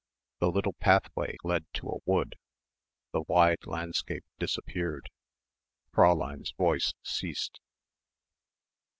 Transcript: The little pathway led to a wood. The wide landscape disappeared. Fräulein's voice ceased.